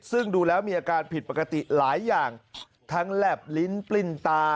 ซึ่งดูแล้วมีอาการผิดปกติหลายอย่างทั้งแหลบลิ้นปลิ้นตา